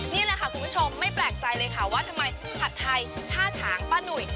นี่แหละค่ะคุณผู้ชมไม่แปลกใจเลยค่ะว่าทำไมผัดไทยท่าฉางป้าหนุ่ย